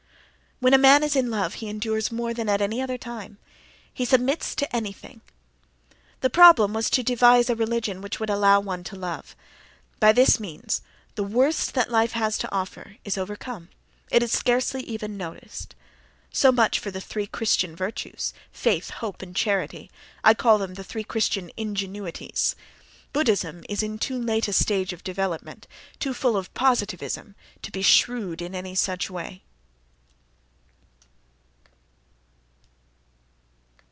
When a man is in love he endures more than at any other time; he submits to anything. The problem was to devise a religion which would allow one to love: by this means the worst that life has to offer is overcome—it is scarcely even noticed.—So much for the three Christian virtues: faith, hope and charity: I call them the three Christian ingenuities.—Buddhism is in too late a stage of development, too full of positivism, to be shrewd in any such way.